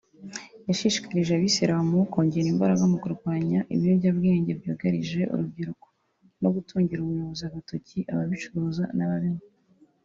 yashishikarije abayisilamu kongera imbaraga mu kurwanya ibiyobyabwenge byugarije urubyiruko no gutungira ubuyobozi agatoki ababicuruza n’ababinywa